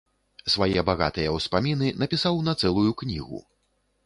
Свае багатыя ўспаміны напісаў на цэлую кнігу.